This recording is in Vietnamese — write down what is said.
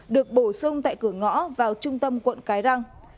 được bổ sung tại cửa ngõ vào trung tâm quận cái răng